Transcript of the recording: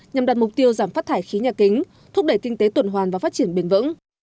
nhằm đạt mục tiêu giảm phát thải khí nhà kính thúc đẩy kinh tế tuần hoàn và phát triển bền vững